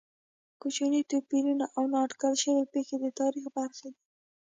کوچني توپیرونه او نا اټکل شوې پېښې د تاریخ برخې دي.